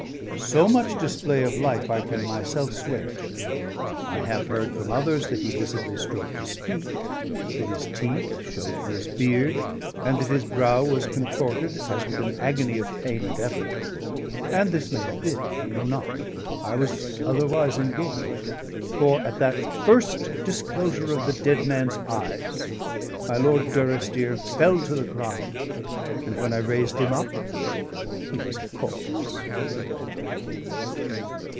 So much display of life I can myself swear to. I have heard from others that he visibly strove to speak, that his teeth showed in his beard, and that his brow was contorted as with an agony of pain and effort. And this may have been; I know not, I was otherwise engaged. For at that first disclosure of the dead man's eyes my Lord Durrisdeer fell to the ground, and when I raised him up he was a corpse.